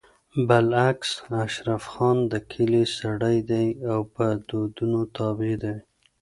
بالعكس اشرف خان د کلي سړی دی او په دودونو تابع دی